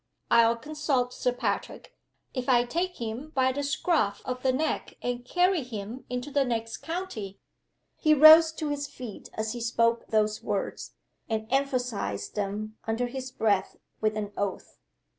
"I'll consult Sir Patrick, if I take him by the scruff of the neck and carry him into the next county!" He rose to his feet as he spoke those words, and emphasized them under his breath with an oath.